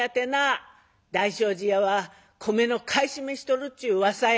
「大正寺屋は米の買い占めしとるっちゅううわさや」。